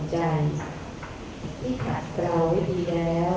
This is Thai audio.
สวัสดีครับสวัสดีครับ